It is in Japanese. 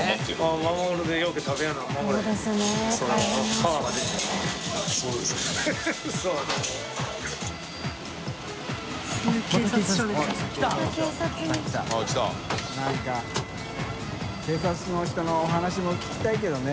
茲拭覆鵑警察の人のお話も聞きたいけどね。